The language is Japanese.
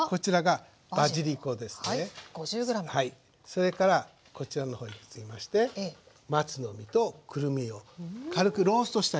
それからこちらの方に移りまして松の実とくるみを軽くローストしてあります。